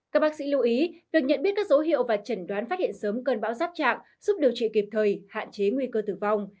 các bác sĩ lưu ý việc nhận biết các dấu hiệu và chẩn đoán phát hiện sớm cơn bão giáp chạm giúp điều trị kịp thời hạn chế nguy cơ tử vong